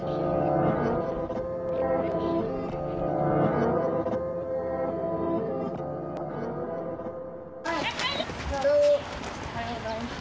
澤田さんおはようございます。